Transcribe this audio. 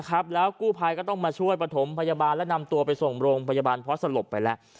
แล้วกู้ภัยก็ต้องมาช่วยประถมพยาบาลและนำตัวไปส่งโรงพยาบาลเพราะสลบไปแล้ว